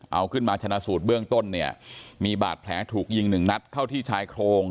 เอาขึ้นมาชนะสูตรเบื้องต้นเนี่ยมีบาดแผลถูกยิงหนึ่งนัดเข้าที่ชายโครง